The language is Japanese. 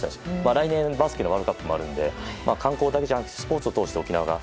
来年、バスケの大会もあるので観光だけじゃなくてスポーツを通して沖縄が